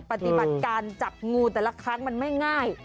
ปฏิบัติการจับงูแต่ละครั้งมันไม่ง่าย